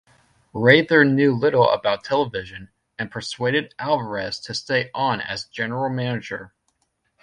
Wrather knew little about television, and persuaded Alvarez to stay on as general manager.